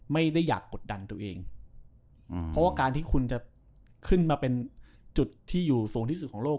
ไม่ได้อยากกดดันตัวเองเพราะว่าการที่คุณจะขึ้นมาเป็นจุดที่อยู่สูงที่สุดของโลก